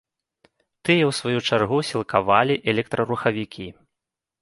Тыя ў сваю чаргу сілкавалі электрарухавікі.